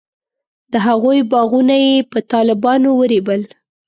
د هغوی باغونه یې په طالبانو ورېبل.